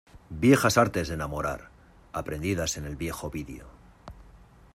¡ viejas artes de enamorar, aprendidas en el viejo Ovidio!